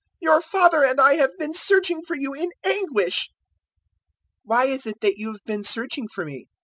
Your father and I have been searching for you in anguish." 002:049 "Why is it that you have been searching for me?"